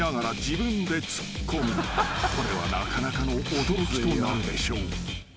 ［これはなかなかの驚きとなるでしょう］